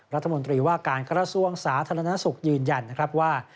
รัฐมนตรีว่าการกระทรวงสาธารณสุขยืนยันนะครับว่า